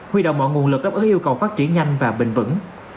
huy động mọi nguồn lực đáp ứng yêu cầu phát triển nhanh và bình vẩn